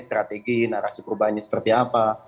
strategi narasi perubahan ini seperti apa